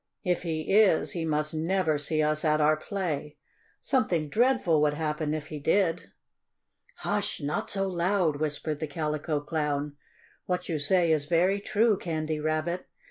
If he is, he must never see us at our play. Something dreadful would happen, if he did." "Hush! Not so loud!" whispered the Calico Clown. "What you say is very true, Candy Rabbit.